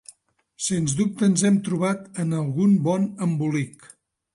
Sens dubte ens hem trobat en algun bon embolic.